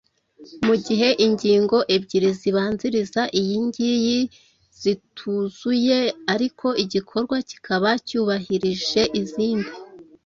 mu gihe ingingo ebyiri zibanziriza iyi ngiyi zituzuye ariko igikorwa kikaba cyubahirije izindi,